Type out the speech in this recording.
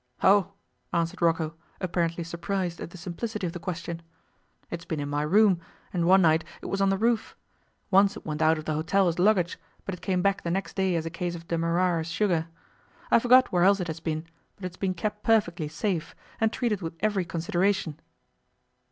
'Oh!' answered Rocco, apparently surprised at the simplicity of the question. 'It's been in my room, and one night it was on the roof; once it went out of the hotel as luggage, but it came back the next day as a case of Demerara sugar. I forget where else it has been, but it's been kept perfectly safe and treated with every consideration.